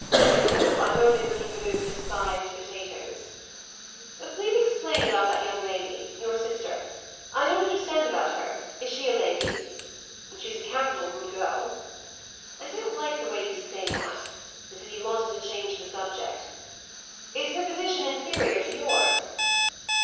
"No, I'm only looking for those despised potatoes." "Please explain about that young lady your sister then. I don't understand about her. Is she a Lady?" "She's a capital good girl." "I don't like the way you say that as if you wanted to change the subject. Is her position inferior to yours?"